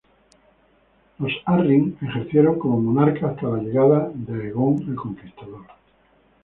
Los Arryn ejercieron como monarcas hasta la llegada de Aegon el Conquistador.